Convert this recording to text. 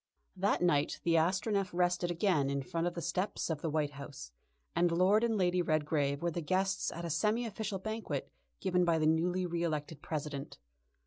That night the Astronef rested again in front of the steps of the White House, and Lord and Lady Redgrave were the guests at a semi official banquet given by the newly re elected President.